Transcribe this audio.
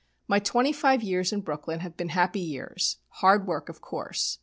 "My twenty five years in Brooklyn have been happy years hard work, of course.